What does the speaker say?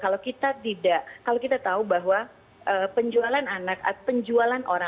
kalau kita tidak kalau kita tahu bahwa penjualan anak adalah hal yang sangat penting